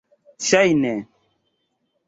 ŝajne